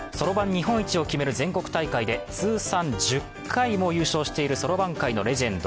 日本一を決める全国大会で通算１０回も優勝しているそろばん界のレジェンド